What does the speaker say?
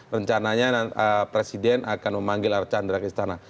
rencananya presiden akan memanggil arcaan dari istana